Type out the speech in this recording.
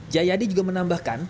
jaya dihanan juga menambahkan